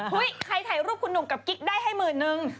ใครถ่ายรูปคุณหนุ่มกับกิ๊กได้ให้หมื่นนึง